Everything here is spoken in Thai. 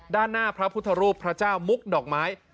ด้านหน้าพระพุทธรูปพระเจ้ามุกดอกไม้